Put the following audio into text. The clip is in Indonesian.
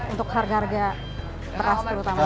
untuk harga harga beras terutama